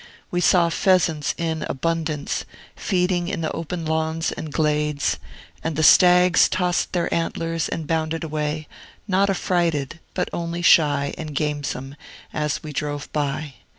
We saw pheasants in abundance, feeding in the open lawns and glades; and the stags tossed their antlers and bounded away, not affrighted, but only shy and gamesome, as we drove by.